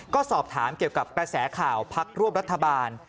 ก็สอบถามเกี่ยวกับกระแสข่าวพักร่วมรัฐบาล